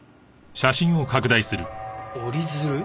折り鶴？